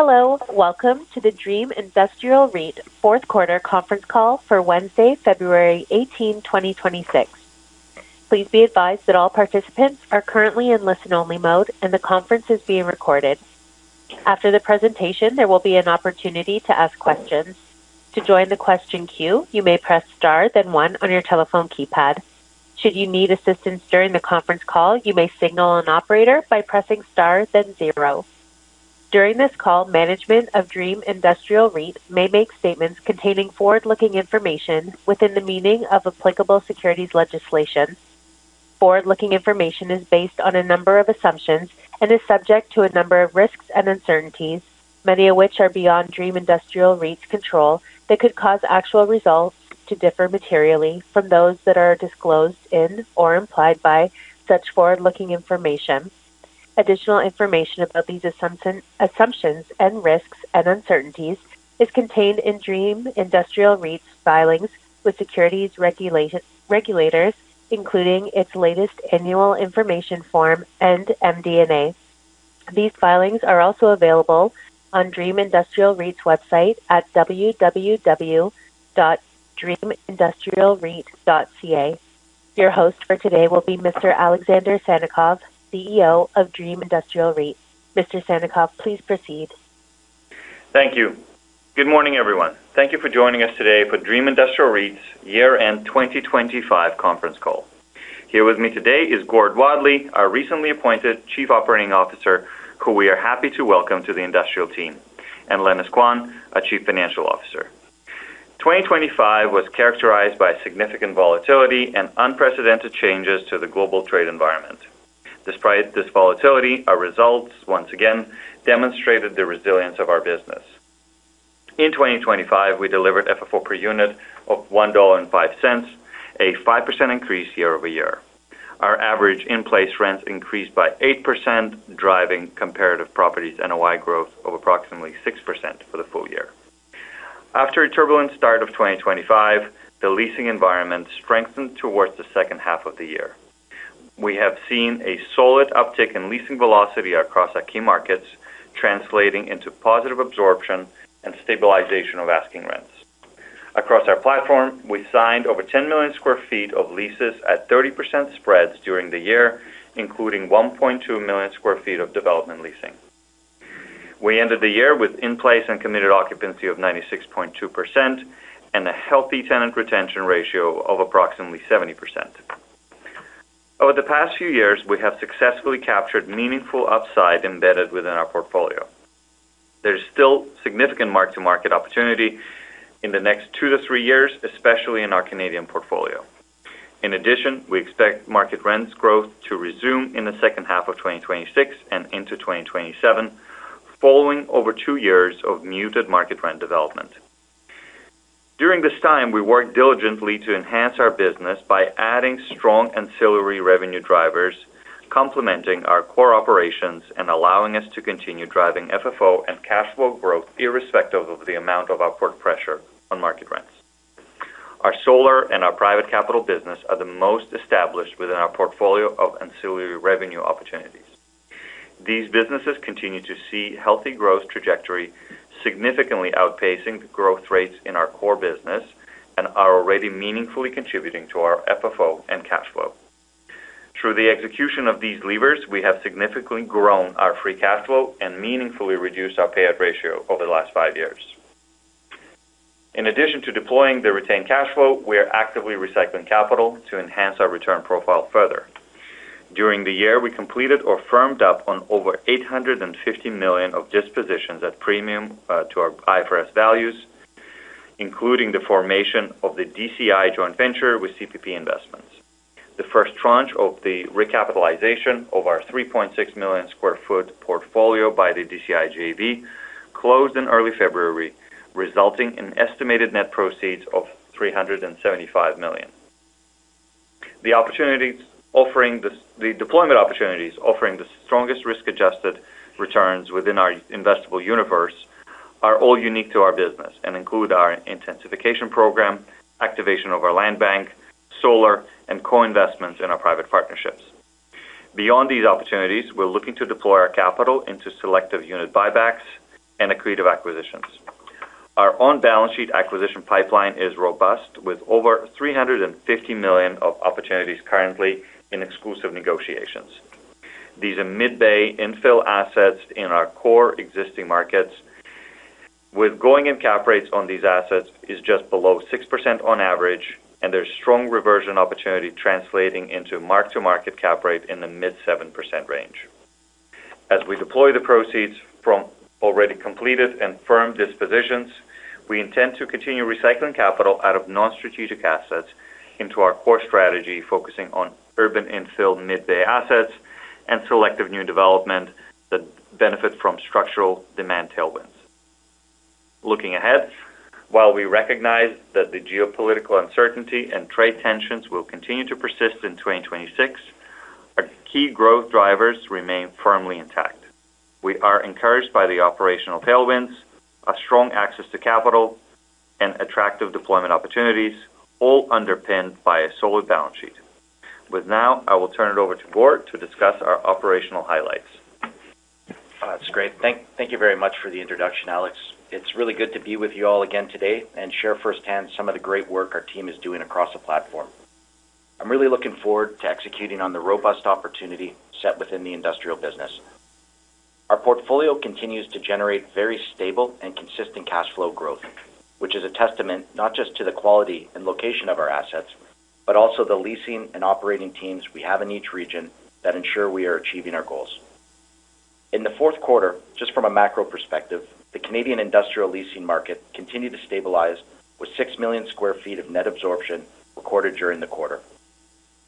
Hello, welcome to the Dream Industrial REIT Fourth Quarter conference Call for Wednesday, February 18, 2026. Please be advised that all participants are currently in listen-only mode, and the conference is being recorded. After the presentation, there will be an opportunity to ask questions. To join the question queue, you may press star then one on your telephone keypad. Should you need assistance during the conference call, you may signal an operator by pressing star then zero. During this call, management of Dream Industrial REIT may make statements containing forward-looking information within the meaning of applicable securities legislation. Forward-looking information is based on a number of assumptions and is subject to a number of risks and uncertainties, many of which are beyond Dream Industrial REIT's control, that could cause actual results to differ materially from those that are disclosed in or implied by such forward-looking information. Additional information about these assumptions and risks and uncertainties is contained in Dream Industrial REIT's filings with securities regulators, including its latest annual information form and MD&A. These filings are also available on Dream Industrial REIT's website at www.dreamindustrialreit.ca. Your host for today will be Mr. Alexander Sannikov, CEO of Dream Industrial REIT. Mr. Sannikov, please proceed. Thank you. Good morning, everyone. Thank you for joining us today for Dream Industrial REIT's year-end 2025 conference call. Here with me today is Gord Wadley, our recently appointed Chief Operating Officer, who we are happy to welcome to the industrial team, and Lenis Quan, our Chief Financial Officer. 2025 was characterized by significant volatility and unprecedented changes to the global trade environment. Despite this volatility, our results once again demonstrated the resilience of our business. In 2025, we delivered FFO per unit of 1.05 dollar, a 5% increase year-over-year. Our average in-place rents increased by 8%, driving Comparative Properties NOI growth of approximately 6% for the full year. After a turbulent start of 2025, the leasing environment strengthened towards the second half of the year. We have seen a solid uptick in leasing velocity across our key markets, translating into positive absorption and stabilization of asking rents. Across our platform, we signed over 10 million sq ft of leases at 30% spreads during the year, including 1.2 million sq ft of development leasing. We ended the year with in-place and committed occupancy of 96.2% and a healthy tenant retention ratio of approximately 70%. Over the past few years, we have successfully captured meaningful upside embedded within our portfolio. There's still significant mark-to-market opportunity in the next two to three years, especially in our Canadian portfolio. In addition, we expect market rents growth to resume in the second half of 2026 and into 2027, following over two years of muted market rent development. During this time, we worked diligently to enhance our business by adding strong ancillary revenue drivers, complementing our core operations and allowing us to continue driving FFO and cash flow growth, irrespective of the amount of upward pressure on market rents. Our solar and our private capital business are the most established within our portfolio of ancillary revenue opportunities. These businesses continue to see healthy growth trajectory, significantly outpacing the growth rates in our core business and are already meaningfully contributing to our FFO and cash flow. Through the execution of these levers, we have significantly grown our free cash flow and meaningfully reduced our payout ratio over the last five years. In addition to deploying the retained cash flow, we are actively recycling capital to enhance our return profile further. During the year, we completed or firmed up on over 850 million of dispositions at premium to our IFRS values, including the formation of the DCI joint venture with CPP Investments. The first tranche of the recapitalization of our 3.6 million sq ft portfolio by the DCI JV closed in early February, resulting in estimated net proceeds of 375 million. The deployment opportunities, offering the strongest risk-adjusted returns within our investable universe are all unique to our business and include our intensification program, activation of our land bank, solar, and co-investments in our private partnerships. Beyond these opportunities, we're looking to deploy our capital into selective unit buybacks and accretive acquisitions. Our on-balance sheet acquisition pipeline is robust, with over 350 million of opportunities currently in exclusive negotiations. These are mid-bay infill assets in our core existing markets, with going-in cap rates on these assets is just below 6% on average, and there's strong reversion opportunity translating into mark-to-market cap rate in the mid-7% range. As we deploy the proceeds from already completed and firm dispositions, we intend to continue recycling capital out of non-strategic assets into our core strategy, focusing on urban infill, mid-bay assets, and selective new development that benefit from structural demand tailwinds. Looking ahead, while we recognize that the geopolitical uncertainty and trade tensions will continue to persist in 2026, our key growth drivers remain firmly intact. We are encouraged by the operational tailwinds, a strong access to capital attractive deployment opportunities, all underpinned by a solid balance sheet. With now, I will turn it over to Gord to discuss our operational highlights. That's great. Thank you very much for the introduction, Alex. It's really good to be with you all again today and share firsthand some of the great work our team is doing across the platform. I'm really looking forward to executing on the robust opportunity set within the industrial business. Our portfolio continues to generate very stable and consistent cash flow growth, which is a testament not just to the quality and location of our assets, but also the leasing and operating teams we have in each region that ensure we are achieving our goals. In the fourth quarter, just from a macro perspective, the Canadian industrial leasing market continued to stabilize with 6 million sq ft of net absorption recorded during the quarter.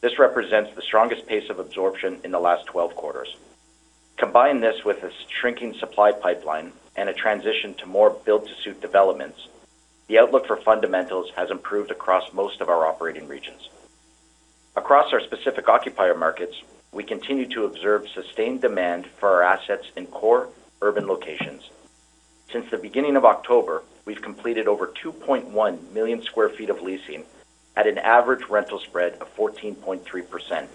This represents the strongest pace of absorption in the last 12 quarters. Combine this with a shrinking supply pipeline and a transition to more build-to-suit developments, the outlook for fundamentals has improved across most of our operating regions. Across our specific occupier markets, we continue to observe sustained demand for our assets in core urban locations. Since the beginning of October, we've completed over 2.1 million sq ft of leasing at an average rental spread of 14.3%,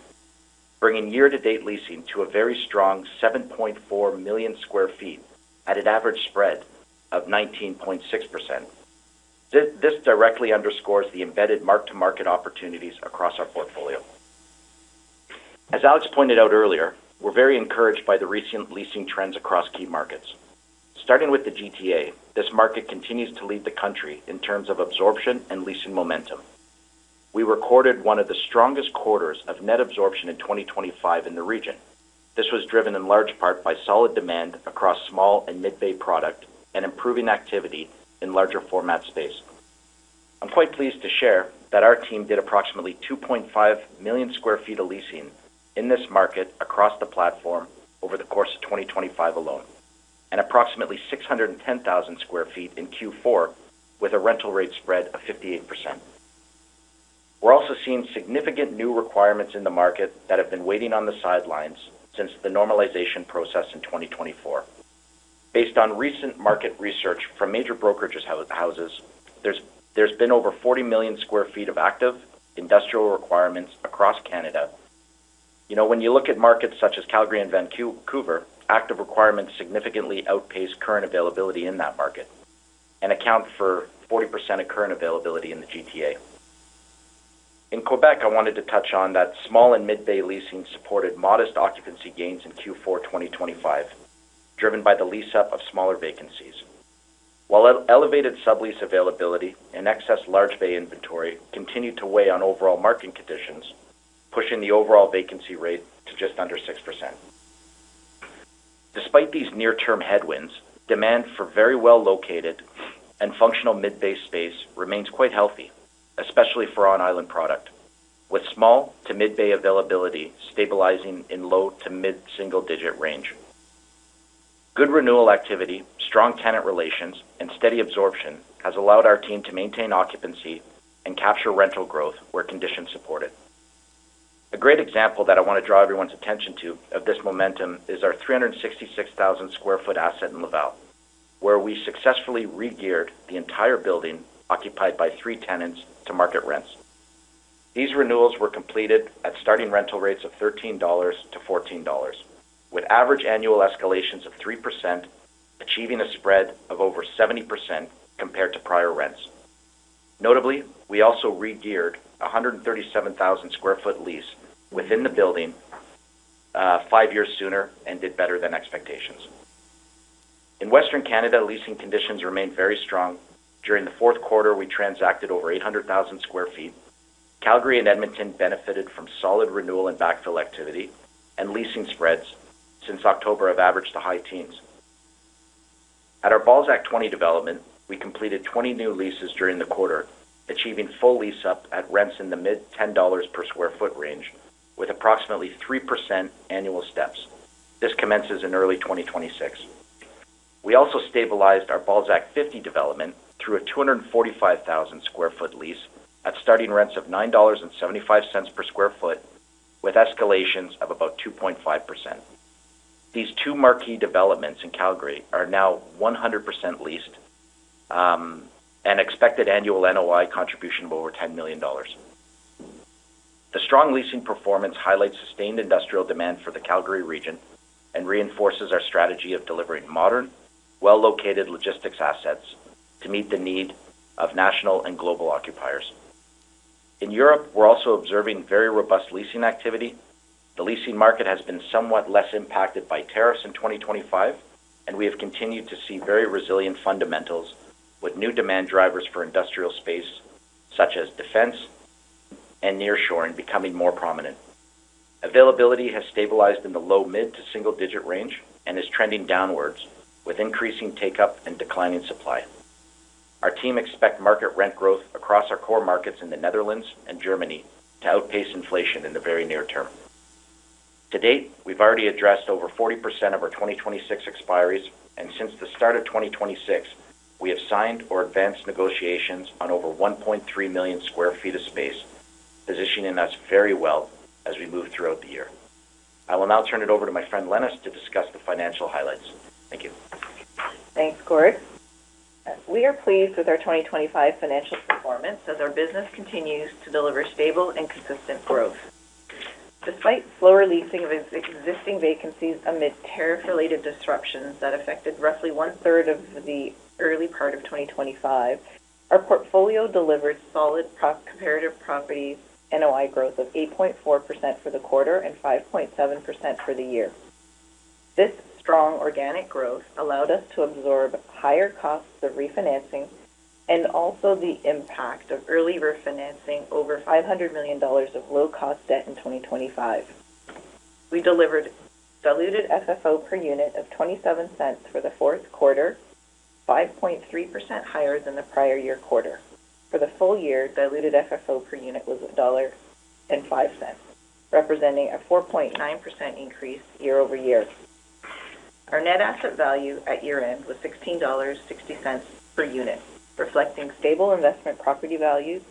bringing year-to-date leasing to a very strong 7.4 million sq ft at an average spread of 19.6%. This directly underscores the embedded mark-to-market opportunities across our portfolio. As Alex pointed out earlier, we're very encouraged by the recent leasing trends across key markets. Starting with the GTA, this market continues to lead the country in terms of absorption and leasing momentum. We recorded one of the strongest quarters of net absorption in 2025 in the region. This was driven in large part by solid demand across small and mid-bay product, and improving activity in larger format space. I'm quite pleased to share that our team did approximately 2.5 million sq ft of leasing in this market across the platform over the course of 2025 alone, and approximately 610,000 sq ft in Q4, with a rental rate spread of 58%. We're also seeing significant new requirements in the market that have been waiting on the sidelines since the normalization process in 2024. Based on recent market research from major brokerage houses, there's been over 40 million sq ft of active industrial requirements across Canada. You know, when you look at markets such as Calgary and Vancouver, active requirements significantly outpace current availability in that market and account for 40% of current availability in the GTA. In Quebec, I wanted to touch on that small and mid-bay leasing supported modest occupancy gains in Q4 2025, driven by the lease up of smaller vacancies. While elevated sublease availability and excess large bay inventory continued to weigh on overall market conditions, pushing the overall vacancy rate to just under 6%. Despite these near-term headwinds, demand for very well-located and functional mid-bay space remains quite healthy, especially for on island product, with small to mid-bay availability stabilizing in low- to mid-single-digit range. Good renewal activity, strong tenant relations, and steady absorption has allowed our team to maintain occupancy and capture rental growth where conditions support it. A great example that I want to draw everyone's attention to of this momentum is our 366,000 sq ft asset in Laval, where we successfully regeared the entire building, occupied by three tenants, to market rents. These renewals were completed at starting rental rates of 13-14 dollars, with average annual escalations of 3%, achieving a spread of over 70% compared to prior rents. Notably, we also regeared a 137,000 sq ft lease within the building, five years sooner and did better than expectations. In Western Canada, leasing conditions remained very strong. During the fourth quarter, we transacted over 800,000 sq ft. Calgary and Edmonton benefited from solid renewal and backfill activity, and leasing spreads since October have averaged the high teens. At our Balzac 20 development, we completed 20 new leases during the quarter, achieving full lease up at rents in the mid-CAD 10 per sq ft range, with approximately 3% annual steps. This commences in early 2026. We also stabilized our Balzac 50 development through a 245,000 sq ft lease at starting rents of 9.75 dollars per sq ft, with escalations of about 2.5%. These two marquee developments in Calgary are now 100% leased, and expected annual NOI contribution of over 10 million dollars. The strong leasing performance highlights sustained industrial demand for the Calgary region and reinforces our strategy of delivering modern, well-located logistics assets to meet the need of national and global occupiers. In Europe, we're also observing very robust leasing activity. The leasing market has been somewhat less impacted by tariffs in 2025, and we have continued to see very resilient fundamentals with new demand drivers for industrial space, such as defense and nearshoring, becoming more prominent. Availability has stabilized in the low-mid to single-digit range and is trending downwards, with increasing take-up and declining supply. Our team expect market rent growth across our core markets in the Netherlands and Germany to outpace inflation in the very near term. To date, we've already addressed over 40% of our 2026 expiries, and since the start of 2026, we have signed or advanced negotiations on over 1.3 million sq ft of space, positioning us very well as we move throughout the year. I will now turn it over to my friend, Lenis, to discuss the financial highlights. Thank you. Thanks, Gord. We are pleased with our 2025 financial performance as our business continues to deliver stable and consistent growth. Despite slower leasing of its existing vacancies amid tariff-related disruptions that affected roughly 1/3 of the early part of 2025, our portfolio delivered solid comp, Comparative Properties NOI growth of 8.4% for the quarter and 5.7% for the year. This strong organic growth allowed us to absorb higher costs of refinancing and also the impact of early refinancing over 500 million dollars of low-cost debt in 2025. We delivered diluted FFO per unit of 0.27 for the fourth quarter, 5.3% higher than the prior year quarter. For the full year, diluted FFO per unit was 1.05 dollar, representing a 4.9% increase year-over-year. Our net asset value at year-end was 16.60 dollars per unit, reflecting stable investment property values.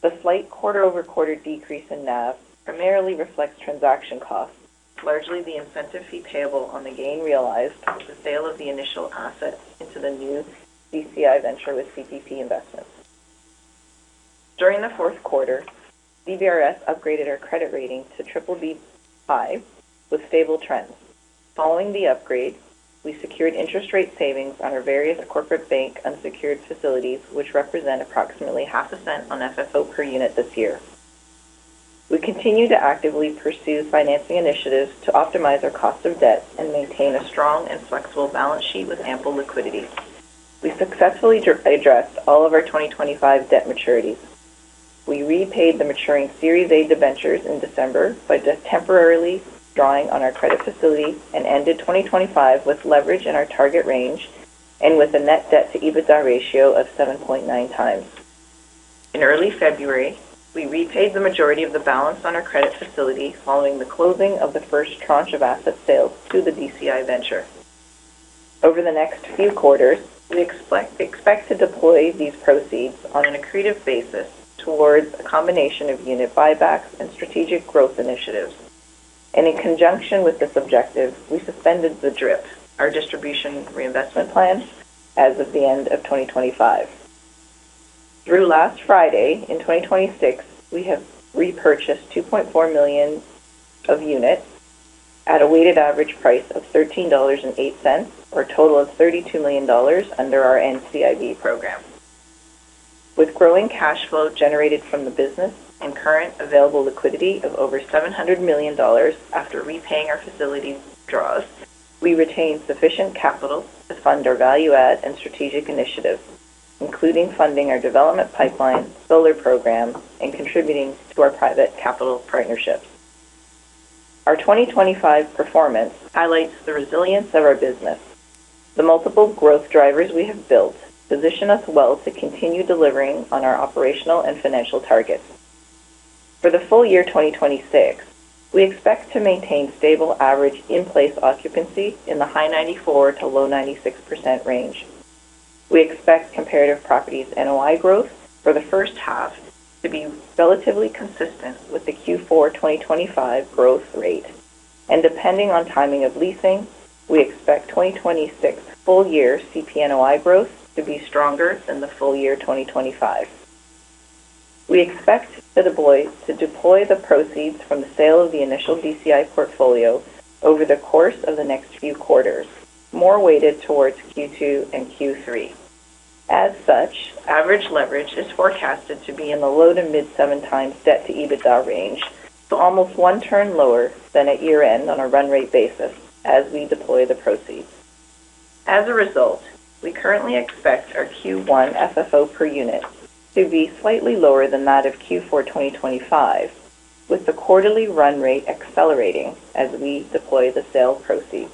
The slight quarter-over-quarter decrease in NAV primarily reflects transaction costs, largely the incentive fee payable on the gain realized on the sale of the initial assets into the new DCI venture with CPP Investments. During the fourth quarter, DBRS upgraded our credit rating to BBB high with stable trends. Following the upgrade, we secured interest rate savings on our various corporate bank unsecured facilities, which represent approximately CAD 0.005 on FFO per unit this year. We continue to actively pursue financing initiatives to optimize our cost of debt and maintain a strong and flexible balance sheet with ample liquidity. We successfully addressed all of our 2025 debt maturities. We repaid the maturing Series A debentures in December by just temporarily drawing on our credit facility and ended 2025 with leverage in our target range and with a net debt to EBITDA ratio of 7.9x. In early February, we repaid the majority of the balance on our credit facility following the closing of the first tranche of asset sales to the DCI venture. Over the next few quarters, we expect to deploy these proceeds on an accretive basis towards a combination of unit buybacks and strategic growth initiatives. In conjunction with this objective, we suspended the DRIP, our distribution reinvestment plan, as of the end of 2025. Through last Friday, in 2026, we have repurchased 2.4 million of units at a weighted average price of 13.08 dollars, or a total of 32 million dollars under our NCIB program. With growing cash flow generated from the business and current available liquidity of over 700 million dollars after repaying our facility draws, we retain sufficient capital to fund our value add and strategic initiatives, including funding our development pipeline, solar program, and contributing to our private capital partnerships. Our 2025 performance highlights the resilience of our business. The multiple growth drivers we have built position us well to continue delivering on our operational and financial targets. For the full year 2026, we expect to maintain stable average in-place occupancy in the high 94%-low 96% range. We expect Comparative Properties NOI growth for the first half to be relatively consistent with the Q4 2025 growth rate, and depending on timing of leasing, we expect 2026 full-year CP NOI growth to be stronger than the full-year 2025. We expect to deploy the proceeds from the sale of the initial DCI portfolio over the course of the next few quarters, more weighted towards Q2 and Q3. As such, average leverage is forecasted to be in the low- to mid-7x debt-to-EBITDA range, so almost one turn lower than at year-end on a run-rate basis as we deploy the proceeds. As a result, we currently expect our Q1 FFO per unit to be slightly lower than that of Q4 2025, with the quarterly run rate accelerating as we deploy the sale proceeds.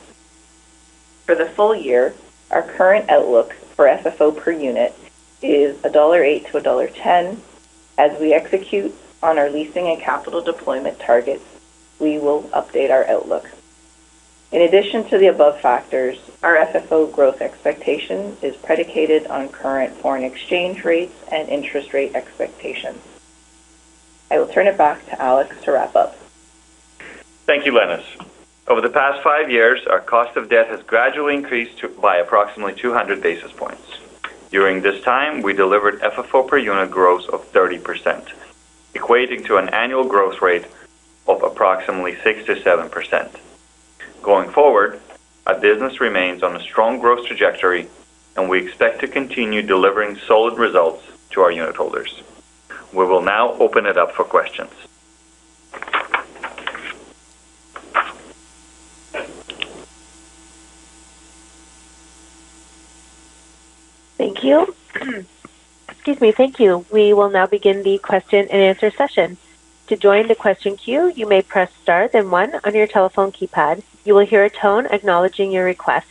For the full year, our current outlook for FFO per unit is 1.08-1.10 dollar. As we execute on our leasing and capital deployment targets, we will update our outlook. In addition to the above factors, our FFO growth expectation is predicated on current foreign exchange rates and interest rate expectations. I will turn it back to Alex to wrap up. Thank you, Lenis. Over the past five years, our cost of debt has gradually increased by approximately 200 basis points. During this time, we delivered FFO per unit growth of 30%, equating to an annual growth rate of approximately 6%-7%. Going forward, our business remains on a strong growth trajectory, and we expect to continue delivering solid results to our unitholders. We will now open it up for questions. Thank you. Excuse me. Thank you. We will now begin the question-and-answer session. To join the question queue, you may press star then one on your telephone keypad. You will hear a tone acknowledging your request.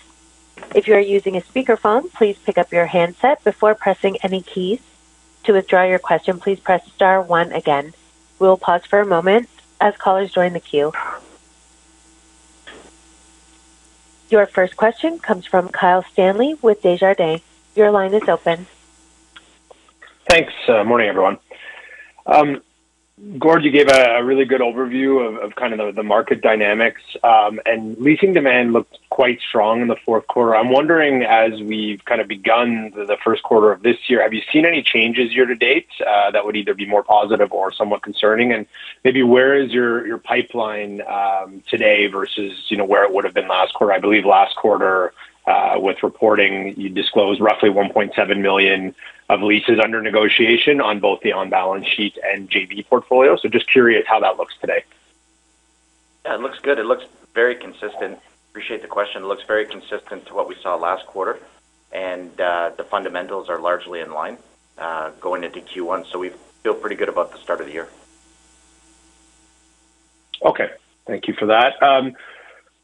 If you are using a speakerphone, please pick up your handset before pressing any keys. To withdraw your question, please press star one again. We will pause for a moment as callers join the queue. Your first question comes from Kyle Stanley with Desjardins. Your line is open. Thanks. Morning, everyone. Gord, you gave a really good overview of kind of the market dynamics, and leasing demand looked quite strong in the fourth quarter. I'm wondering, as we've kind of begun the first quarter of this year, have you seen any changes year to date that would either be more positive or somewhat concerning? And maybe where is your pipeline today versus, you know, where it would have been last quarter? I believe last quarter, with reporting, you disclosed roughly 1.7 million of leases under negotiation on both the on-balance sheet and JV portfolio. So just curious how that looks today. Yeah, it looks good. It looks very consistent. Appreciate the question. It looks very consistent to what we saw last quarter, and the fundamentals are largely in line, going into Q1, so we feel pretty good about the start of the year. Okay. Thank you for that.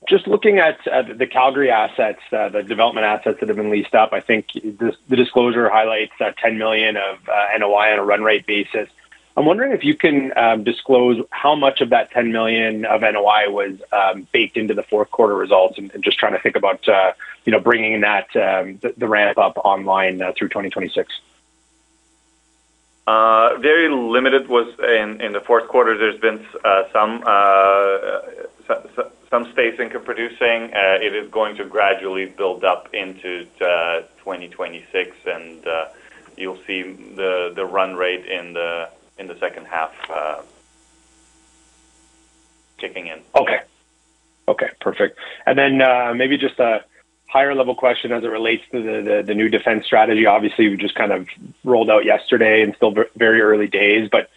Just looking at the Calgary assets, the development assets that have been leased up, I think the disclosure highlights 10 million of NOI on a run rate basis. I'm wondering if you can disclose how much of that 10 million of NOI was baked into the fourth quarter results. I'm just trying to think about, you know, bringing that the ramp up online through 2026. Very limited was in the fourth quarter. There's been some spacing producing. It is going to gradually build up into 2026, and you'll see the run rate in the second half kicking in. Okay. Okay, perfect. And then, maybe just a higher level question as it relates to the new defense strategy. Obviously, we just kind of rolled out yesterday and still very early days, but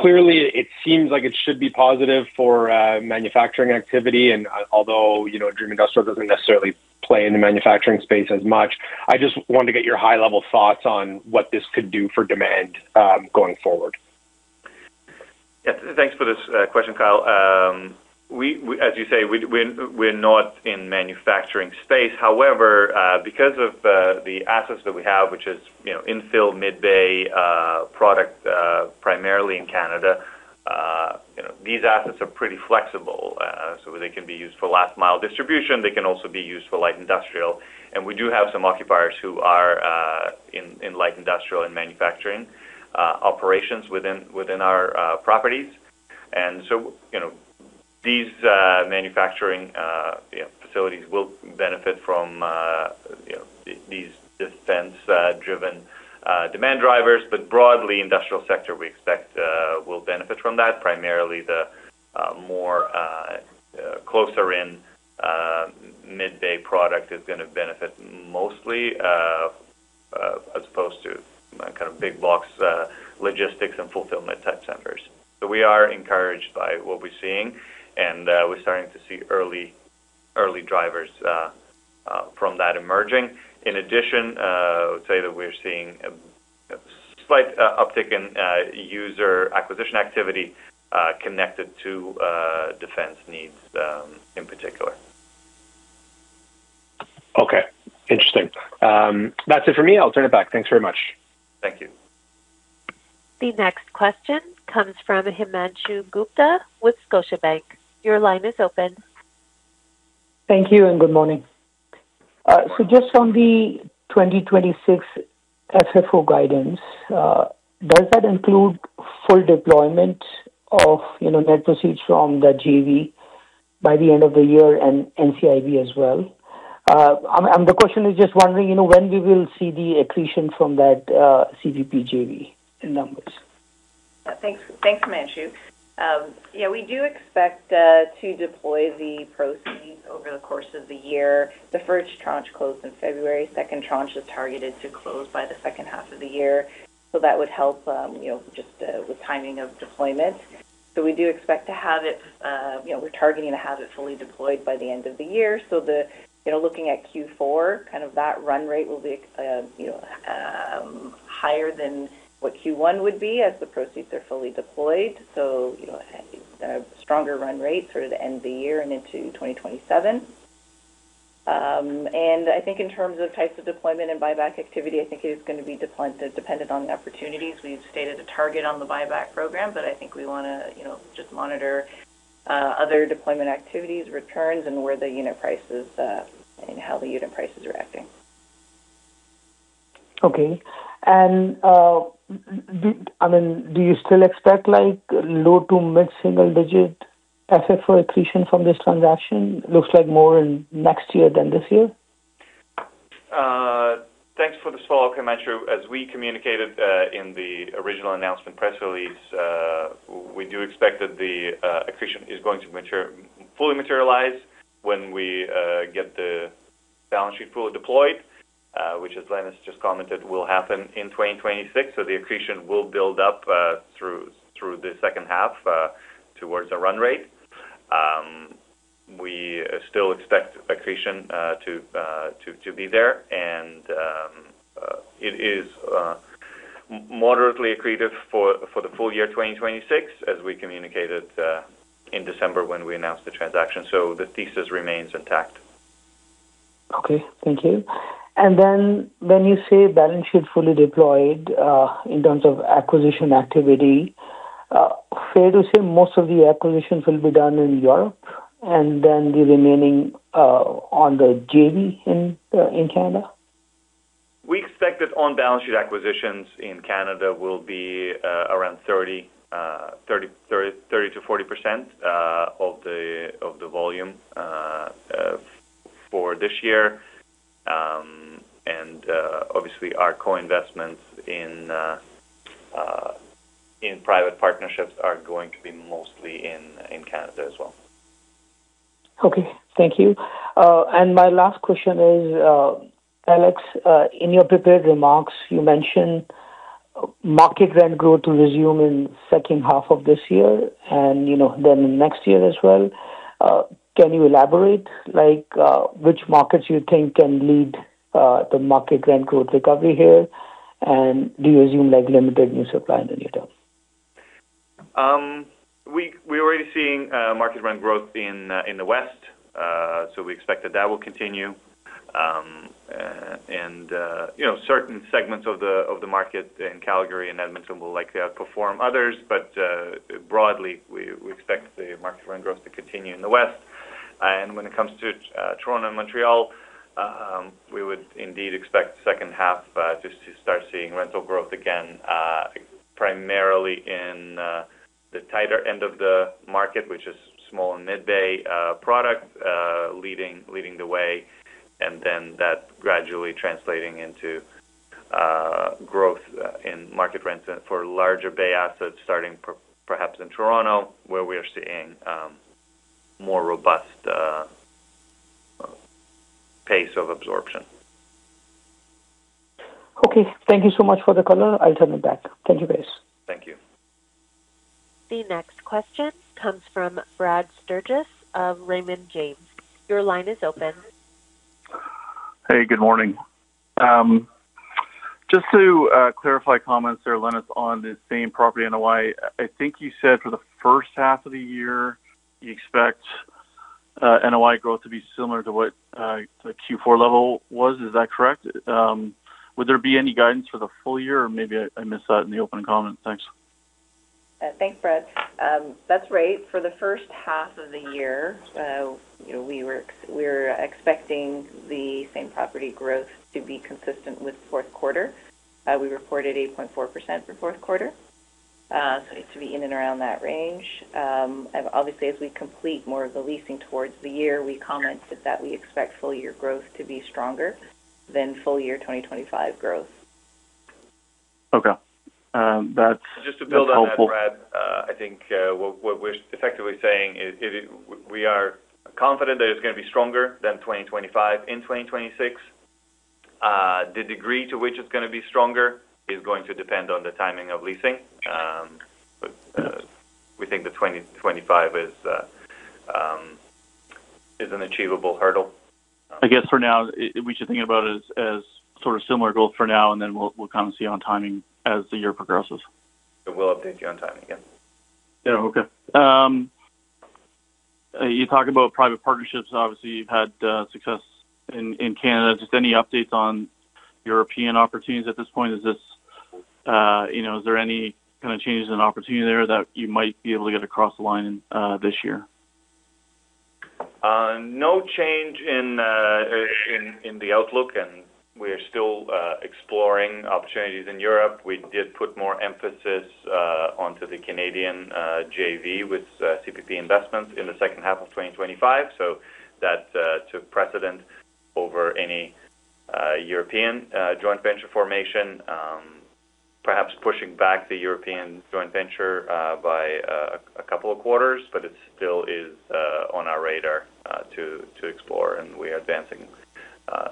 clearly it seems like it should be positive for manufacturing activity. And although, you know, Dream Industrial doesn't necessarily play in the manufacturing space as much, I just wanted to get your high-level thoughts on what this could do for demand going forward. Yeah. Thanks for this question, Kyle. We, as you say, we're not in manufacturing space. However, because of the assets that we have, which is, you know, infill, mid-bay product, primarily in Canada, you know, these assets are pretty flexible, so they can be used for last mile distribution. They can also be used for light industrial. And we do have some occupiers who are in light industrial and manufacturing operations within our properties. And so, you know, these manufacturing, you know, facilities will benefit from, you know, these defense driven demand drivers. But broadly, industrial sector, we expect will benefit from that. Primarily, the more closer-in mid-bay product is going to benefit mostly as opposed to kind of big box logistics and fulfillment type centers. So we are encouraged by what we're seeing, and we're starting to see early drivers from that emerging. In addition, I would say that we're seeing a slight uptick in user acquisition activity connected to defense needs in particular. Okay, interesting. That's it for me. I'll turn it back. Thanks very much. Thank you. The next question comes from Himanshu Gupta with Scotiabank. Your line is open. Thank you and good morning. So just on the 2026 FFO guidance, does that include full deployment of, you know, net proceeds from the JV by the end of the year and NCIB as well? And the question is just wondering, you know, when we will see the accretion from that, CPP JV in numbers? Thanks, thanks, Himanshu. Yeah, we do expect to deploy the proceeds over the course of the year. The first tranche closed in February. Second tranche is targeted to close by the second half of the year. So that would help, you know, just with timing of deployment. So we do expect to have it, you know, we're targeting to have it fully deployed by the end of the year. So the, you know, looking at Q4, kind of that run rate will be, you know, higher than what Q1 would be as the proceeds are fully deployed. So, you know, a stronger run rate through the end of the year and into 2027. And I think in terms of types of deployment and buyback activity, I think it is going to be dependent on the opportunities. We've stated a target on the buyback program, but I think we want to, you know, just monitor other deployment activities, returns, and where the unit prices, and how the unit prices are acting. Okay. And, I mean, do you still expect, like, low to mid single digit FFO accretion from this transaction? Looks like more in next year than this year. Thanks for the follow-up, Himanshu. As we communicated, in the original announcement press release, we do expect that the accretion is going to mature, fully materialize when we get the balance sheet fully deployed, which, as Lenis just commented, will happen in 2026. So the accretion will build up through the second half towards the run rate. We still expect accretion to be there, and it is moderately accretive for the full year 2026, as we communicated in December when we announced the transaction. So the thesis remains intact. Okay. Thank you. And then when you say balance sheet fully deployed, in terms of acquisition activity, fair to say most of the acquisitions will be done in Europe and then the remaining, on the JV in, in Canada? We expect that on-balance sheet acquisitions in Canada will be around 30%-40% of the volume for this year. Obviously, our co-investments in private partnerships are going to be mostly in Canada as well. Okay. Thank you. My last question is, Alex, in your prepared remarks, you mentioned market rent growth to resume in second half of this year, and, you know, then next year as well. Can you elaborate, like, which markets you think can lead the market rent growth recovery here? Do you assume, like, limited new supply in the near term? We're already seeing market rent growth in the West. So we expect that that will continue. And you know, certain segments of the market in Calgary and Edmonton will likely outperform others, but broadly, we expect the market rent growth to continue in the West. And when it comes to Toronto and Montreal, we would indeed expect second half just to start seeing rental growth again, primarily in the tighter end of the market, which is small and mid-bay product, leading the way, and then that gradually translating into growth in market rents for larger bay assets, starting perhaps in Toronto, where we are seeing more robust pace of absorption. Okay. Thank you so much for the color. I'll turn it back. Thank you, guys. Thank you. The next question comes from Brad Sturges of Raymond James. Your line is open. Hey, good morning. Just to clarify comments there, Lenis, on the same property NOI, I think you said for the first half of the year, you expect NOI growth to be similar to what the Q4 level was. Is that correct? Would there be any guidance for the full year, or maybe I missed that in the opening comments? Thanks. Thanks, Brad. That's right. For the first half of the year, you know, we're expecting the same property growth to be consistent with fourth quarter. We reported 8.4% for fourth quarter. So it's to be in and around that range. And obviously, as we complete more of the leasing towards the year, we commented that we expect full year growth to be stronger than full year 2025 growth. Okay. That's, that's helpful. Just to build on that, Brad, I think what we're effectively saying is we are confident that it's going to be stronger than 2025 in 2026. The degree to which it's going to be stronger is going to depend on the timing of leasing. But we think 2025 is an achievable hurdle. I guess for now, we should think about it as, as sort of similar goals for now, and then we'll kind of see on timing as the year progresses. We'll update you on timing, yeah. Yeah. Okay. You talked about private partnerships. Obviously, you've had success in Canada. Just any updates on European opportunities at this point? Is this, you know, is there any kind of changes in opportunity there that you might be able to get across the line, this year? No change in the outlook, and we are still exploring opportunities in Europe. We did put more emphasis onto the Canadian JV with CPP Investments in the second half of 2025. So that took precedent over any European joint venture formation. Perhaps pushing back the European joint venture by a couple of quarters, but it still is on our radar to explore, and we are advancing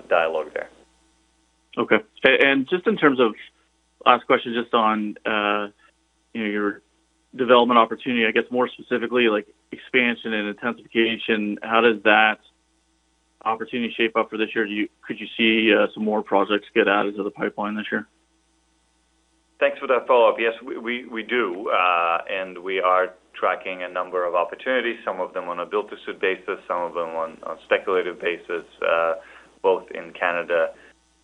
dialogue there. Okay. And just in terms of, last question, just on, you know, your development opportunity, I guess more specifically, like expansion and intensification, how does that opportunity shape up for this year? Could you see some more projects get added to the pipeline this year? Thanks for that follow-up. Yes, we do, and we are tracking a number of opportunities, some of them on a Build-to-Suit basis, some of them on a speculative basis, both in Canada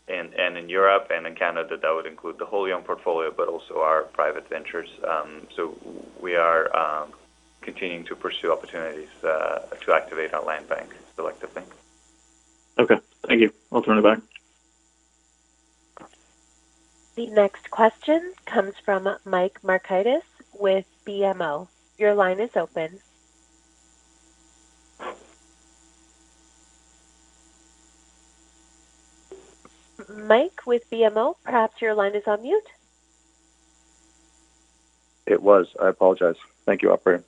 and in Europe, and in Canada, that would include the wholly owned portfolio, but also our private ventures. So we are continuing to pursue opportunities to activate our land bank selective banks. Okay. Thank you. I'll turn it back. The next question comes from Mike Markidis with BMO. Your line is open. Mike, with BMO, perhaps your line is on mute. It was. I apologize. Thank you, operator.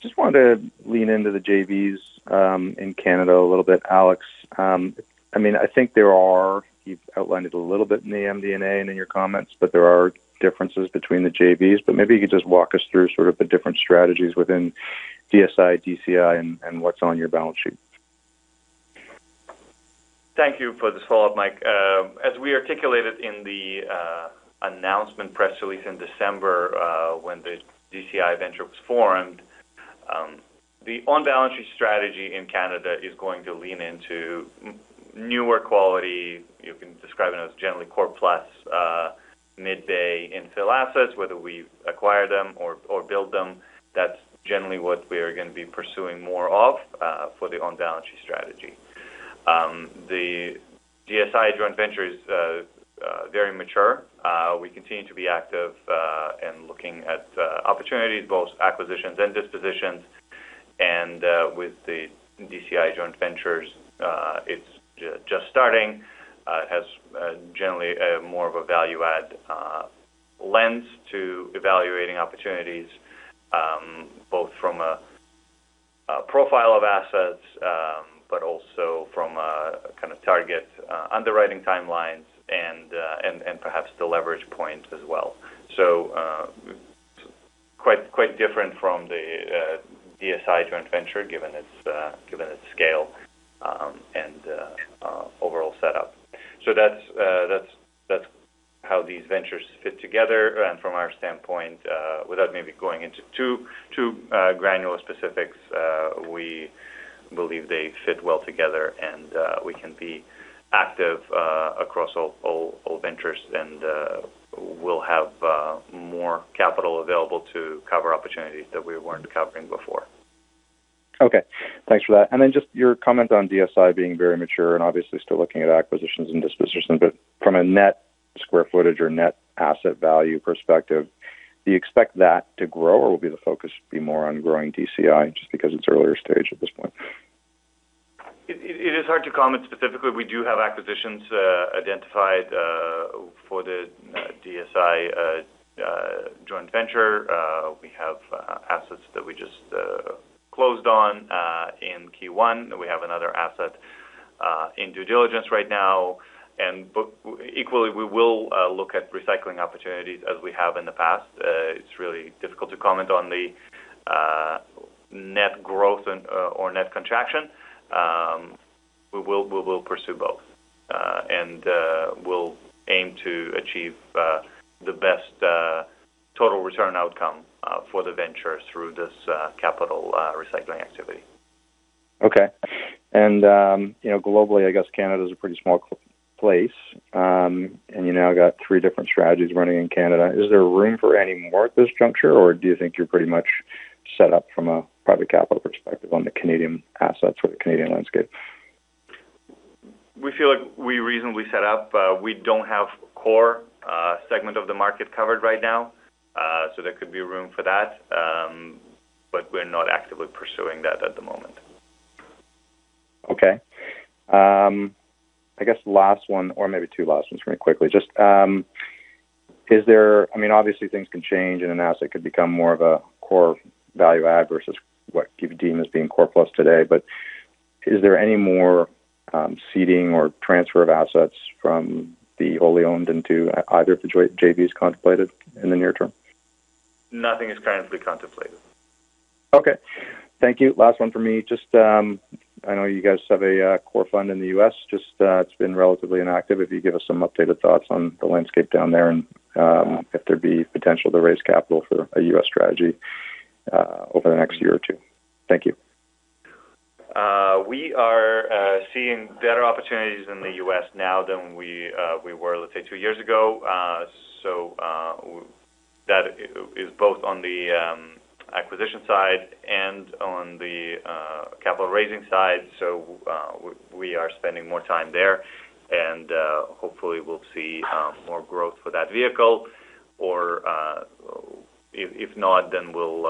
Just wanted to lean into the JVs in Canada a little bit, Alex. I mean, I think there are, you've outlined it a little bit in the MD&A and in your comments, but there are differences between the JVs, but maybe you could just walk us through sort of the different strategies within DSI, DCI, and what's on your balance sheet? Thank you for this follow-up, Mike. As we articulated in the announcement press release in December, when the DCI venture was formed, the on-balance sheet strategy in Canada is going to lean into newer quality. You can describe it as generally core plus, mid-bay infill assets, whether we acquire them or build them, that's generally what we are gonna be pursuing more of, for the on-balance sheet strategy. The DSI joint venture is very mature. We continue to be active, and looking at opportunities, both acquisitions and dispositions. With the DCI joint ventures, it's just starting. It has generally more of a value add lens to evaluating opportunities, both from a profile of assets, but also from a kind of target underwriting timelines and perhaps the leverage point as well. So, quite different from the DSI joint venture, given its scale, and overall setup. So that's how these ventures fit together. And from our standpoint, without maybe going into too granular specifics, we believe they fit well together, and we can be active across all ventures. And we'll have more capital available to cover opportunities that we weren't covering before. Okay. Thanks for that. And then just your comment on DSI being very mature and obviously still looking at acquisitions and dispositions. But from a net square footage or net asset value perspective, do you expect that to grow, or will be the focus be more on growing DCI just because it's earlier stage at this point? It is hard to comment specifically. We do have acquisitions identified for the DSI joint venture. We have assets that we just closed on in Q1, and we have another asset in due diligence right now. But equally, we will look at recycling opportunities as we have in the past. It's really difficult to comment on the net growth and or net contraction. We will pursue both. And we'll aim to achieve the best total return outcome for the venture through this capital recycling activity. Okay. And, you know, globally, I guess Canada is a pretty small place. And you now got three different strategies running in Canada. Is there room for any more at this juncture, or do you think you're pretty much set up from a private capital perspective on the Canadian assets or the Canadian landscape? We feel like we reasonably set up. We don't have core segment of the market covered right now. So there could be room for that, but we're not actively pursuing that at the moment. Okay. I guess last one or maybe two last ones really quickly. Just, is there, I mean, obviously things can change, and an asset could become more of a core value add versus what you deem as being core plus today. But is there any more, ceding or transfer of assets from the wholly owned into either of the JVs contemplated in the near term? Nothing is currently contemplated. Okay. Thank you. Last one for me, just, I know you guys have a core fund in the U.S. Just, it's been relatively inactive. If you give us some updated thoughts on the landscape down there and if there'd be potential to raise capital for a U.S. strategy over the next year or two? Thank you. We are seeing better opportunities in the U.S. now than we were, let's say, two years ago. So, that is both on the acquisition side and on the capital raising side. So, we are spending more time there, and hopefully we'll see more growth for that vehicle. Or, if not, then we'll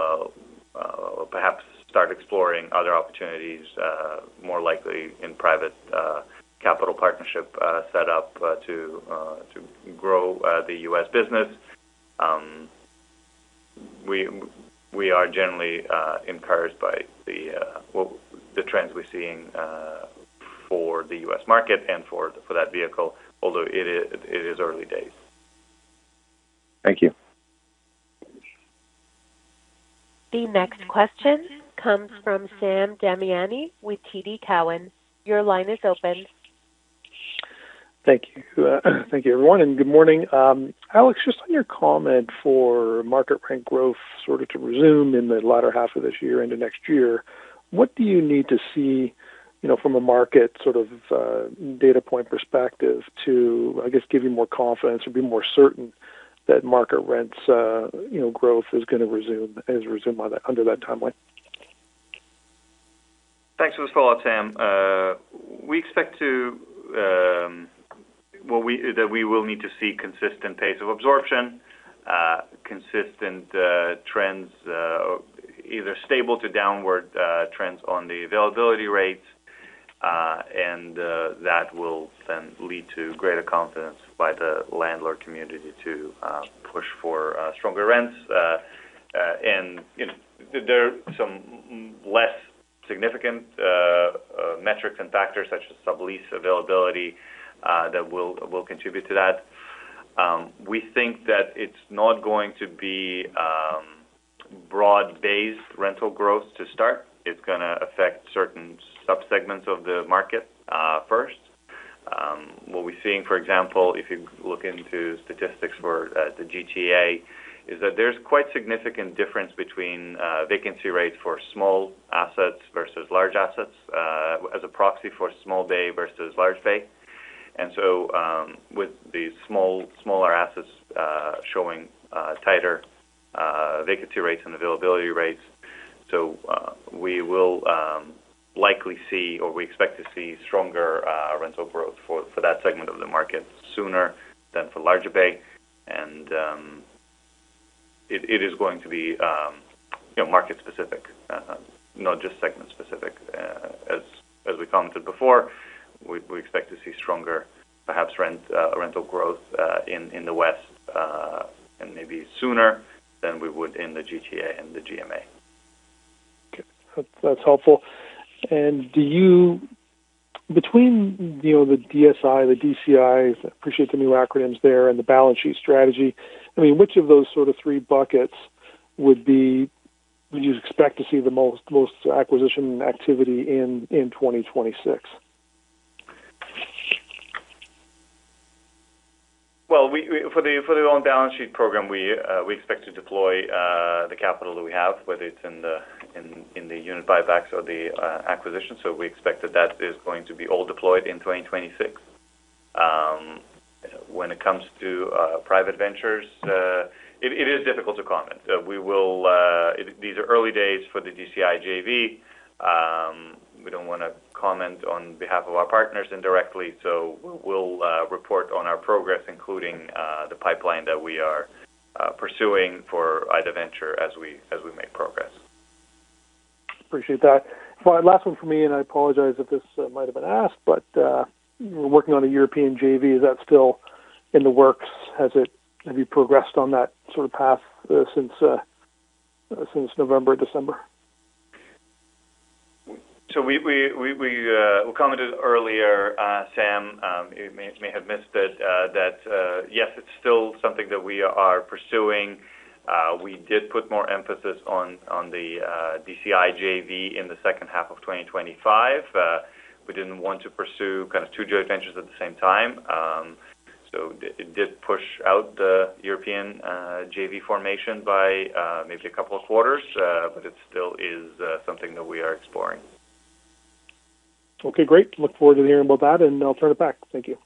perhaps start exploring other opportunities, more likely in private capital partnership set up to grow the U.S. business. We are generally encouraged by, well, the trends we're seeing for the U.S. market and for that vehicle, although it is early days. Thank you. The next question comes from Sam Damiani with TD Cowen. Your line is open. Thank you. Thank you, everyone, and good morning. Alex, just on your comment for market rent growth sort of to resume in the latter half of this year into next year, what do you need to see, you know, from a market sort of, data point perspective to, I guess, give you more confidence or be more certain that market rents, you know, growth is gonna resume under that timeline? Thanks for the follow-up, Sam. We expect to, well, that we will need to see consistent pace of absorption, consistent trends, either stable to downward trends on the availability rates, and that will then lead to greater confidence by the landlord community to push for stronger rents. And, you know, there are some less significant metrics and factors such as sublease availability that will contribute to that. We think that it's not going to be broad base rental growth to start. It's going to affect certain subsegments of the market first. What we're seeing, for example, if you look into statistics for the GTA, is that there's quite significant difference between vacancy rates for small assets versus large assets, as a proxy for small bay versus large bay. And so, with the smaller assets showing tighter vacancy rates and availability rates. So, we will likely see or we expect to see stronger rental growth for that segment of the market sooner than for larger bay. And, it is going to be, you know, market specific, not just segment specific. As we commented before, we expect to see stronger, perhaps rental growth in the West, and maybe sooner than we would in the GTA and the GMA. Okay. That's helpful. And, between, you know, th DSI, the DCIs appreciate the new acronyms there), and the balance sheet strategy, I mean, which of those sort of three buckets would you expect to see the most acquisition activity in 2026? Well, for the on-balance sheet program, we expect to deploy the capital that we have, whether it's in the unit buybacks or the acquisition. So we expect that is going to be all deployed in 2026. When it comes to private ventures, it is difficult to comment. We will, these are early days for the DCI JV. We don't want to comment on behalf of our partners indirectly, so we'll report on our progress, including the pipeline that we are pursuing for DCI venture as we make progress. Appreciate that. Well, last one from me, and I apologize if this might have been asked, but we're working on a European JV. Is that still in the works? Have you progressed on that sort of path, since November, December? So we commented earlier, Sam, you may have missed it, that yes, it's still something that we are pursuing. We did put more emphasis on the DCI JV in the second half of 2025. We didn't want to pursue kind of two joint ventures at the same time. So it did push out the European JV formation by maybe a couple of quarters, but it still is something that we are exploring. Okay, great. Look forward to hearing about that, and I'll turn it back. Thank you.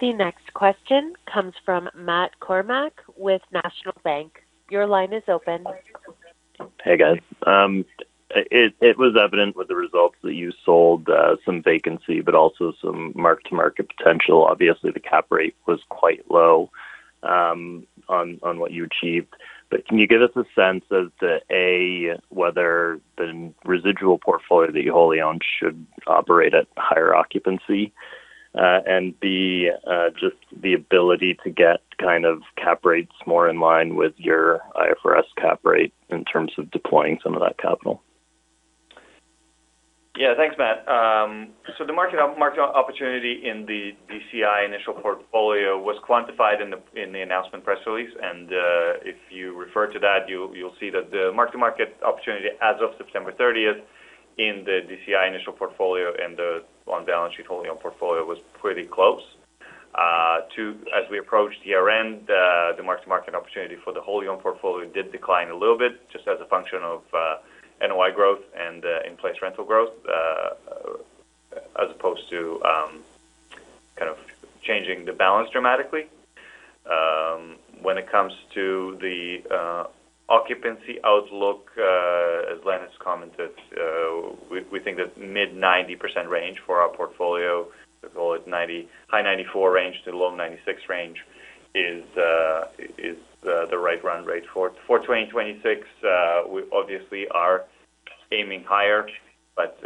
The next question comes from Matt Kornack with National Bank. Your line is open. Hey, guys. It was evident with the results that you sold some vacancy, but also some mark-to-market potential. Obviously, the cap rate was quite low on what you achieved. But can you give us a sense of the, A, whether the residual portfolio that you wholly own should operate at higher occupancy? And B, just the ability to get kind of cap rates more in line with your IFRS cap rate in terms of deploying some of that capital? Yeah, thanks, Matt. So the market opportunity in the DCI initial portfolio was quantified in the announcement press release, and if you refer to that, you'll see that the mark-to-market opportunity as of September thirtieth in the DCI initial portfolio and the on-balance sheet wholly owned portfolio was pretty close. Too, as we approached year-end, the mark-to-market opportunity for the wholly owned portfolio did decline a little bit, just as a function of NOI growth and in-place rental growth, as opposed to kind of changing the balance dramatically. When it comes to the occupancy outlook, as Lenis commented, we think that mid-90% range for our portfolio, let's call it 94%-96% range, is the right run rate for it. For 2026, we obviously are aiming higher, but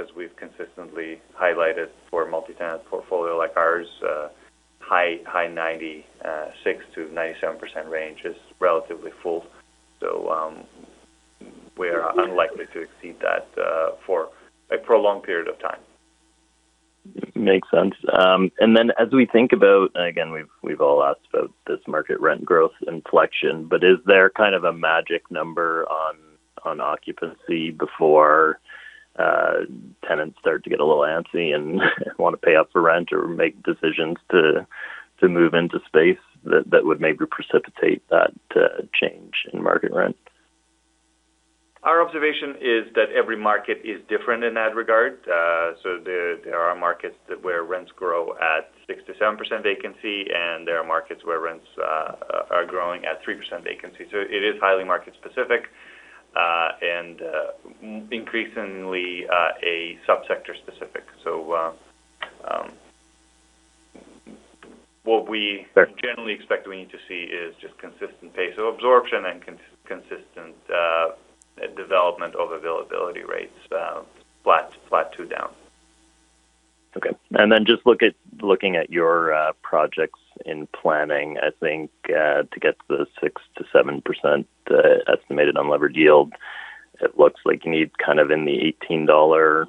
as we've consistently highlighted, for a multi-tenant portfolio like ours, high nineties, 96%-97% range is relatively full. So, we are unlikely to exceed that for a prolonged period of time. Makes sense. And then as we think about, and again, we've all asked about this market rent growth inflection, but is there kind of a magic number on occupancy before tenants start to get a little antsy and want to pay up for rent or make decisions to move into space that would maybe precipitate that change in market rent? Our observation is that every market is different in that regard. So there are markets where rents grow at 6%-7% vacancy, and there are markets where rents are growing at 3% vacancy. So it is highly market specific, and increasingly, a subsector specific. So, what we, Sure Generally expect we need to see is just consistent pace of absorption and consistent development of availability rates, flat to down. Okay. Just look at your projects in planning. I think to get to the 6%-7% estimated unlevered yield, it looks like you need kind of in the 18 dollar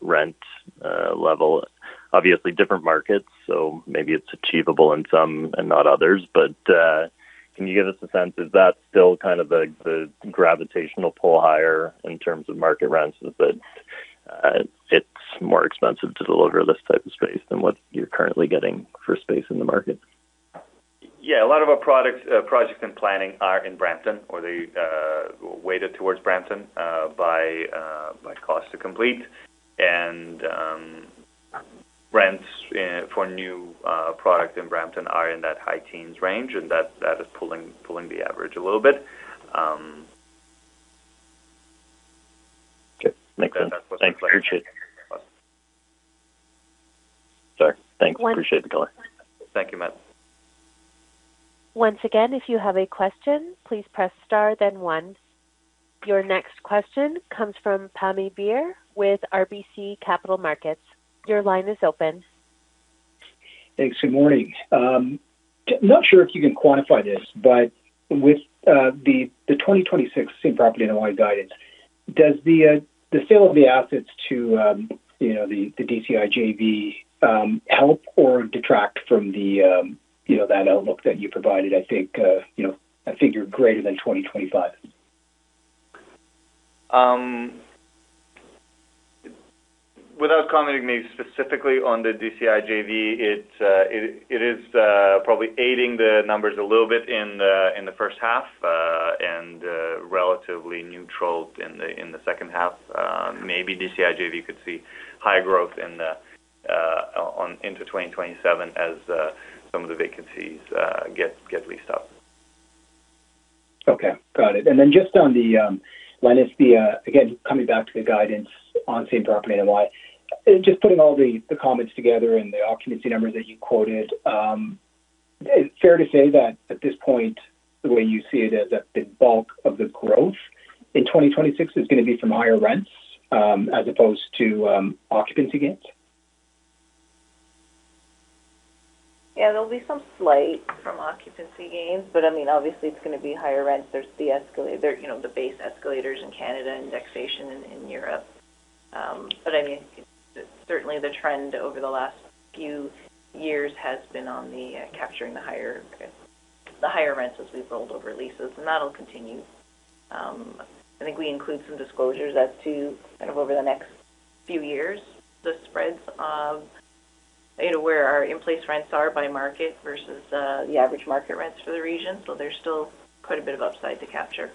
rent level. Obviously, different markets, so maybe it's achievable in some and not others. But can you give us a sense, is that still kind of the gravitational pull higher in terms of market rents, but it's more expensive to deliver this type of space than what you're currently getting for space in the market? Yeah, a lot of our products, projects and planning are in Brampton, or they weighted towards Brampton, by by cost to complete. And, rents for new product in Brampton are in that high teens range, and that is pulling the average a little bit. Okay. Makes sense. Thanks, appreciate. Sorry. Thanks. Once, Appreciate the call. Thank you, Matt. Once again, if you have a question, please press star, then one. Your next question comes from Pammi Bir with RBC Capital Markets. Your line is open. Thanks. Good morning. Not sure if you can quantify this, but with the 2026 same property NOI guidance, does the sale of the assets to, you know, the DCI JV, help or detract from, you know, that outlook that you provided? I think, you know, I think you're greater than 2025. Without commenting specifically on the DCI JV, it is probably aiding the numbers a little bit in the first half, and relatively neutral in the second half. Maybe DCI JV could see higher growth into 2027 as some of the vacancies get leased up. Okay, got it. Then just on the Lenis, the again, coming back to the guidance on same property NOI. Just putting all the comments together and the occupancy numbers that you quoted, is it fair to say that at this point, the way you see it, is that the bulk of the growth in 2026 is going to be from higher rents, as opposed to, occupancy gains? Yeah, there'll be some slight from occupancy gains, but I mean, obviously, it's going to be higher rents. There's the escalator, you know, the base escalators in Canada, indexation in Europe. But I mean, certainly the trend over the last few years has been on the capturing the higher, the higher rents as we've rolled over leases, and that'll continue. I think we include some disclosures as to kind of over the next few years, the spreads of, you know, where our in-place rents are by market versus the average market rents for the region. So there's still quite a bit of upside to capture.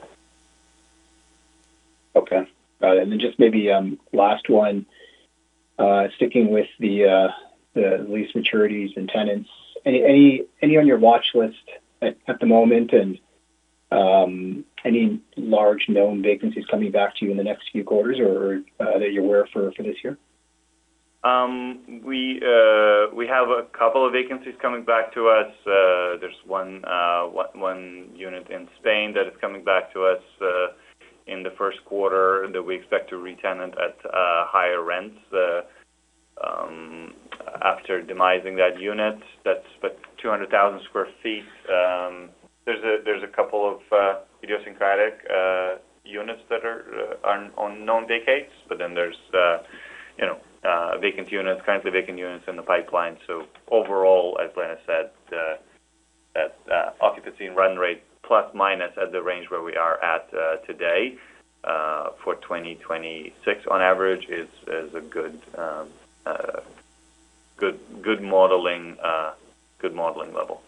Okay. Got it. And then just maybe last one, sticking with the lease maturities and tenants. Any on your watchlist at the moment, and any large known vacancies coming back to you in the next few quarters or that you're aware for this year? We have a couple of vacancies coming back to us. There's one unit in Spain that is coming back to us in the first quarter that we expect to retenant at higher rents after demising that unit. That's about 200,000 sq ft. There's a couple of idiosyncratic units that are on known vacates, but then there's you know vacant units, currently vacant units in the pipeline. So overall, as Lenis said, that occupancy and run rate plus minus at the range where we are at today for 2026 on average is a good modeling level.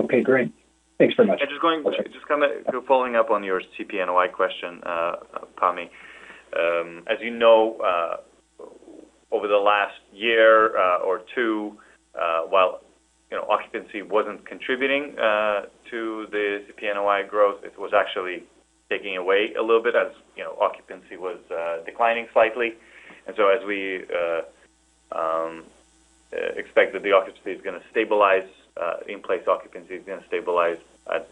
Okay, great. Thanks very much. And just going, Okay. Just coming, following up on your CP NOI question, Pammi. As you know, over the last year or two, while, you know, occupancy wasn't contributing to the CP NOI growth, it was actually taking away a little bit as, you know, occupancy was declining slightly. So as we expect that the occupancy is going to stabilize, in-place occupancy is going to stabilize at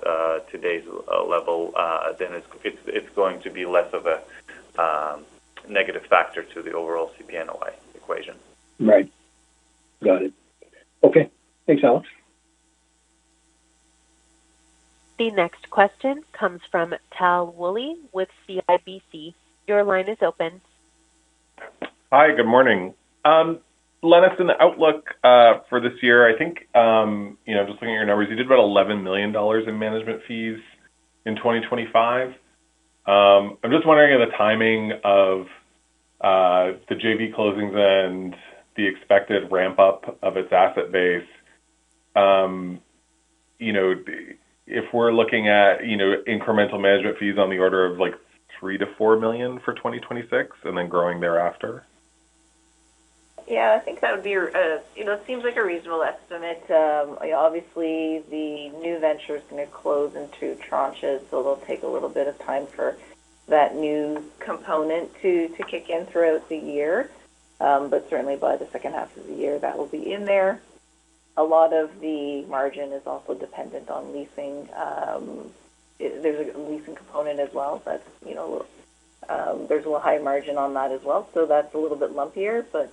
today's level, then it's going to be less of a negative factor to the overall CP NOI equation. Right. Got it. Okay. Thanks, Alex. The next question comes from Tal Woolley, with CIBC. Your line is open. Hi, good morning. Lenis, in the outlook, for this year, I think, you know, just looking at your numbers, you did about 11 million dollars in management fees in 2025. I'm just wondering the timing of, the JV closings and the expected ramp-up of its asset base. You know, if we're looking at, you know, incremental management fees on the order of, like, 3 million-4 million for 2026, and then growing thereafter? Yeah, I think that would be, you know, it seems like a reasonable estimate. Obviously, the new venture is going to close in two tranches, so it'll take a little bit of time for that new component to kick in throughout the year. But certainly by the second half of the year, that will be in there. A lot of the margin is also dependent on leasing. There's a leasing component as well, you know, there's a high margin on that as well, so that's a little bit lumpier, but,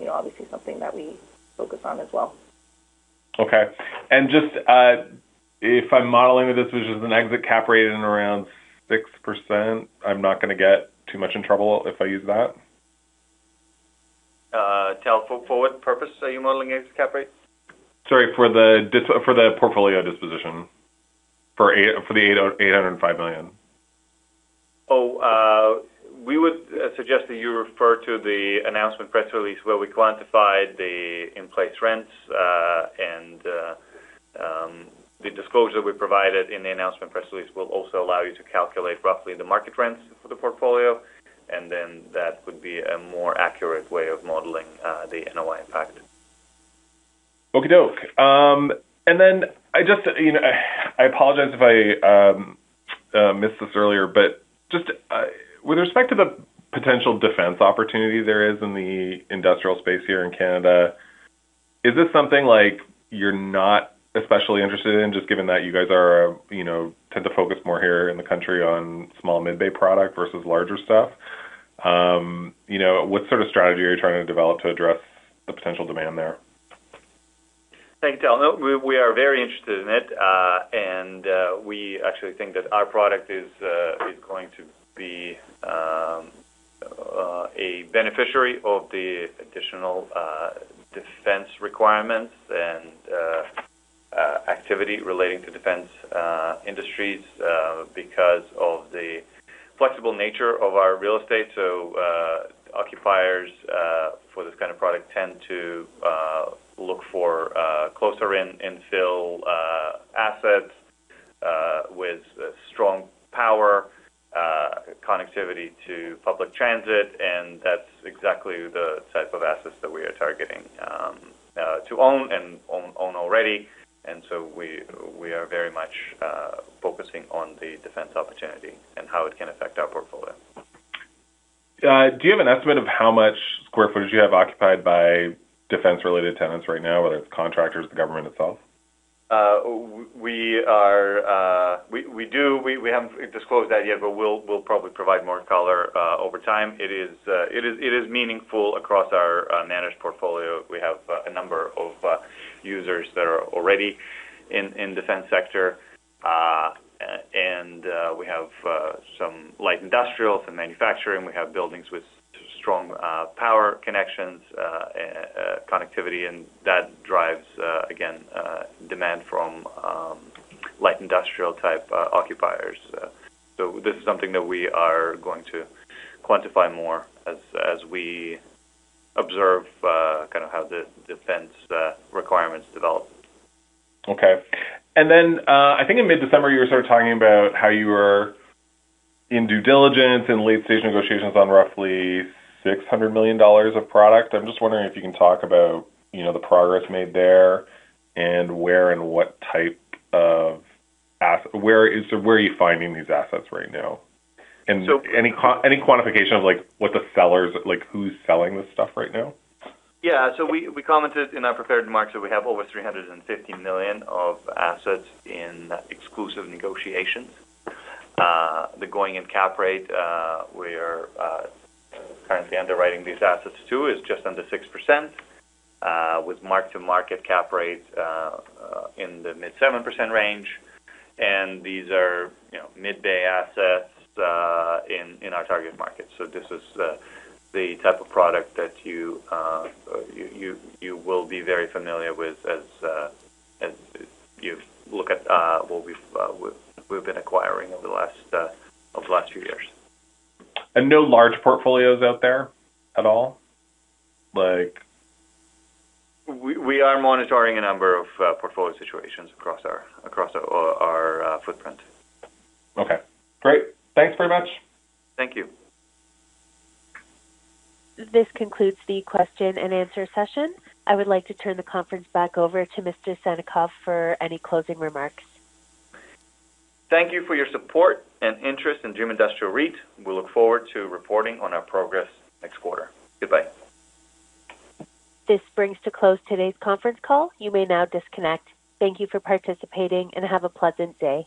you know, obviously something that we focus on as well. Okay, and just, if I'm modeling that this was just an exit Cap Rate in around 6%, I'm not gonna get too much in trouble if I use that? For what purpose are you modeling exit cap rates? Sorry, for the portfolio disposition. For the 805 million. Oh, we would suggest that you refer to the announcement press release, where we quantified the in-place rents. The disclosure we provided in the announcement press release will also allow you to calculate roughly the market rents for the portfolio, and then that would be a more accurate way of modeling the NOI impact. Okay-doke. And then I just, you know, I apologize if I missed this earlier, but just, with respect to the potential defense opportunity there is in the industrial space here in Canada, is this something like you're not especially interested in, just given that you guys are, you know, tend to focus more here in the country on small mid-bay product versus larger stuff? You know, what sort of strategy are you trying to develop to address the potential demand there? Thanks, Tal. No, we, we are very interested in it. And we actually think that our product is, is going to be a beneficiary of the additional defense requirements and activity relating to defense industries because of the flexible nature of our real estate. So occupiers for this kind of product tend to look for closer in infill assets with strong power connectivity to public transit, and that's exactly the type of assets that we are targeting to own and own, own already. And so we, we are very much focusing on the defense opportunity and how it can affect our portfolio. Do you have an estimate of how much square footage you have occupied by defense-related tenants right now, whether it's contractors, the government itself? We are, we do. We haven't disclosed that yet, but we'll probably provide more color over time. It is meaningful across our managed portfolio. We have a number of users that are already in defense sector. And we have some light industrial, some manufacturing. We have buildings with strong power connections, connectivity, and that drives again demand from light industrial-type occupiers. So this is something that we are going to quantify more as we observe kind of how the defense requirements develop. Okay. Then, I think in mid-December, you were sort of talking about how you were in due diligence, in late-stage negotiations on roughly 600 million dollars of product. I'm just wondering if you can talk about, you know, the progress made there and where and what type of assets, so where are you finding these assets right now? So, Any quantification of, like, what the sellers, like, who's selling this stuff right now? Yeah. So we commented in our prepared remarks that we have over 350 million of assets in exclusive negotiations. The going-in cap rate we are currently underwriting these assets to is just under 6%, with mark-to-market cap rates in the mid-7% range. And these are, you know, mid-bay assets in our target market. So this is the type of product that you will be very familiar with as you look at what we've been acquiring over the last few years. No large portfolios out there at all? Like, we are monitoring a number of portfolio situations across our footprint. Okay, great. Thanks very much. Thank you. This concludes the question and answer session. I would like to turn the conference back over to Mr. Sannikov for any closing remarks. Thank you for your support and interest in Dream Industrial REIT. We look forward to reporting on our progress next quarter. Goodbye. This brings to close today's conference call. You may now disconnect. Thank you for participating, and have a pleasant day.